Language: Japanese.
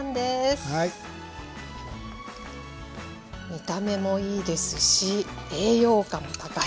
見た目もいいですし栄養価も高い。